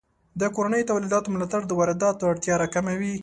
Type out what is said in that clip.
د کورنیو تولیداتو ملاتړ د وارداتو اړتیا راکموي.